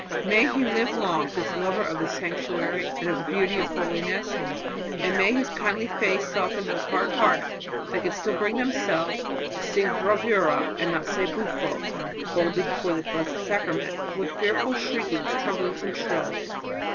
"May he live long, this lover of the sanctuary and of the beauty of holiness; and may his kindly face soften those hard hearts that can still bring themselves to sing bravura, not to say buffo, boldly before the Blessed Sacrament, with fearsome shriekings, tremblings and trills."